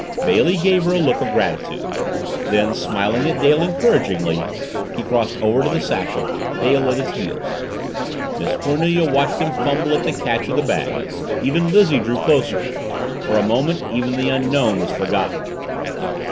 Bailey gave her a look of gratitude. Then, smiling at Dale encouragingly, he crossed over to the satchel, Dale at his heels. Miss Cornelia watched him fumble at the catch of the bag even Lizzie drew closer. For a moment even the Unknown was forgotten.